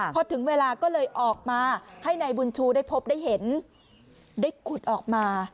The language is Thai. พอถึงเวลาก็เลยออกมาให้นายบุญชูได้พบได้เห็นได้ขุดออกมา